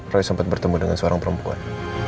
roy sempat bertemu dengan seorang perempuan